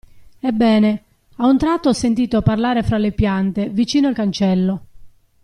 Ebbene, a un tratto ho sentito parlare fra le piante, vicino al cancello.